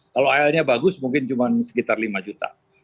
kalau al nya bagus mungkin cuma sekitar lima juta